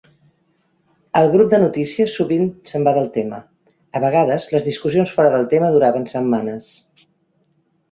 El grup de notícies sovint s'en va del tema; a vegades les discussions fora del tema duraven setmanes.